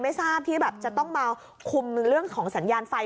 ไม่ทราบที่แบบจะต้องมาคุมเรื่องของสัญญาณไฟ